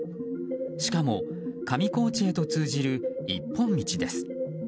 しかも、上高地へと通じる一本道です。